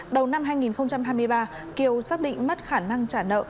đầu năm hai nghìn hai mươi ba kiều xác định mất khả năng trả nợ